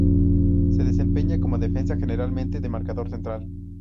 Se desempeña como defensa, generalmente de marcador central.